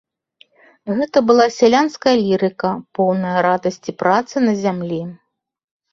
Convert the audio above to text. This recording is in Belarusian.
Гэта была сялянская лірыка, поўная радасці працы на зямлі.